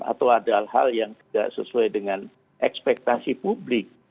atau ada hal hal yang tidak sesuai dengan ekspektasi publik